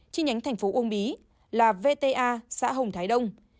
chi nhánh thành phố uông bí là vta xã hồng thái đông